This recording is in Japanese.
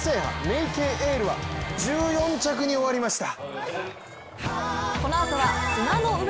メイケイエールは１４着に終わりました。